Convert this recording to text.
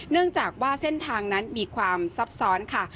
เนื่องจากว่าเส้นทางนั้นมีความซับซ้อนค่ะ